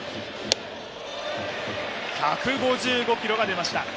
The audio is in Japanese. １５５キロが出ました。